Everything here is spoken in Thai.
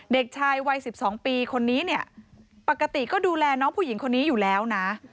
เด็กชายวัย๑๒ปีคนนี้เนี่ยปกติก็ดูแลน้องผู้หญิงคนนี้อยู่แล้วนะ